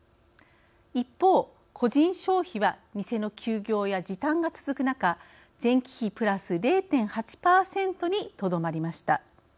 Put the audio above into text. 一方、個人消費は店の休業や時短が続く中前期比プラス０．８％にとどまりました。